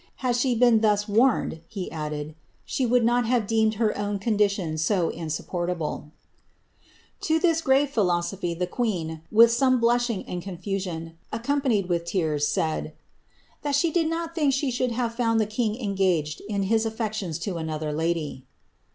Had she been thus warned," ^ she would not have deemed her own condition so insupport grave philosophy the queen, with some blushing and con omponied with tears, said,^^ that she did not think she should I the king engaged in his affections to another lady."